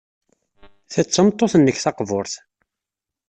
Ta d tameṭṭut-nnek taqburt.